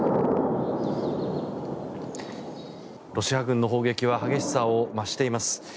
ロシア軍の砲撃は激しさを増しています。